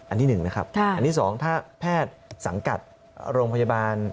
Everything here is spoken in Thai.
อันที่หนึ่งนะครับค่ะอันที่สองถ้าแพทย์สังกัดโรงพยาบาล